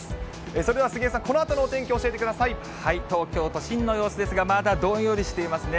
それでは杉江さん、東京都心の様子ですが、まだどんよりしていますね。